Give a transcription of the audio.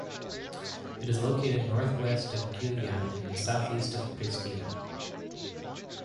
It is located northwest of Gjilan and southeast of Pristina.